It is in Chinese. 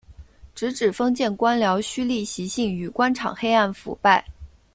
直指封建官僚胥吏习性与官场黑暗腐败。